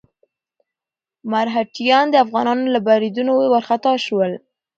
مرهټیان د افغانانو له بريدونو وارخطا شول.